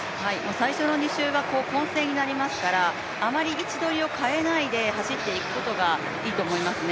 最初の２周は混戦になりますから、あまり位置取りを変えないで走っていくことがいいと思いますね。